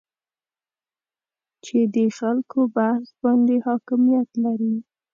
چې د خلکو بحث باندې حاکمیت لري